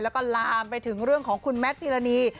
แล้วก็ลามไปถึงเรื่องของคุณแมทพิรณี